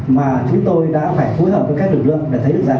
mà chúng tôi đã phải phối hợp với các lực lượng để thấy được rằng